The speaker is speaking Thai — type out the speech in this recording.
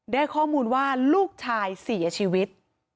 ได้ข้อมูลว่าลูกชายเสียชีวิต